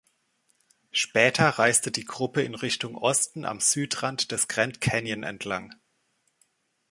Später reiste die Gruppe in Richtung Osten am Südrand des Grand Canyon entlang.